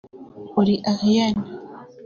Uri Ariel